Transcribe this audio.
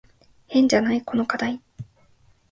変じゃない？この課題。